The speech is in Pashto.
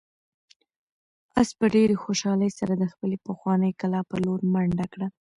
آس په ډېرې خوشحالۍ سره د خپلې پخوانۍ کلا په لور منډه کړه.